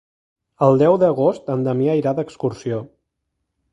El deu d'agost en Damià irà d'excursió.